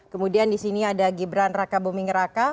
kemudian disini ada gibran raka buming raka